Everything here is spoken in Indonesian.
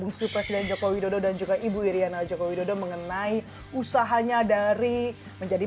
bungsu presiden jokowi dodo dan juga ibu iryana jokowi dodo mengenai usahanya dari menjadi